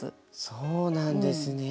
そうなんですね。